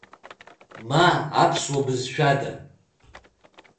Ма аԥсуа бызшәада.